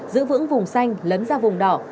giữ vững vùng xanh lấn ra vùng đỏ